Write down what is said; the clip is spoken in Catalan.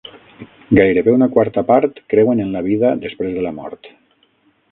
Gairebé una quarta part creuen en la vida després de la mort.